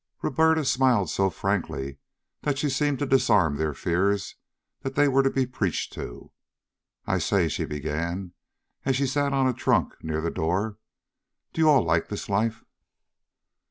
Roberta smiled so frankly that she seemed to disarm their fears that they were to be preached to. "I say," she began, as she sat on a trunk near the door, "do you all like this life?"